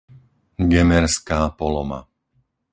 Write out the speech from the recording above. Gemerská Poloma